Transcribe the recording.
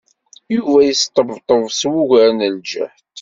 Yuba yesṭebṭeb s wugar n ljehd.